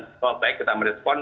cukup baik kita merespon